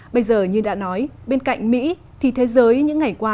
bây giờ như đã nói bên cạnh mỹ thì thế giới những ngày qua